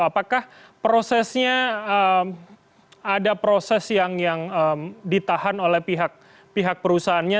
apakah prosesnya ada proses yang ditahan oleh pihak perusahaannya